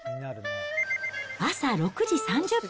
朝６時３０分。